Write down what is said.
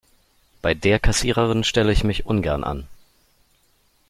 Bei der Kassiererin stelle ich mich ungern an.